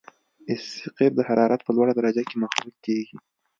اس سي قیر د حرارت په لوړه درجه کې مخلوط کیږي